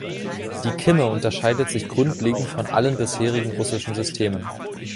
Die Kimme unterscheidet sich grundlegend von allen bisherigen russischen Systemen.